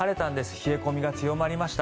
冷え込みが強まりました。